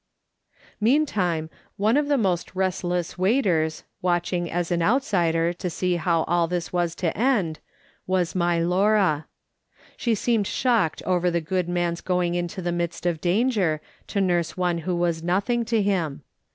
Meantime, one of the most restless Avaiters, watch ing as an outsider to see how all this was to end, was my Laura. She seemed shocked over the good man's going into the midst of danger, to nurse one who was nothing to him.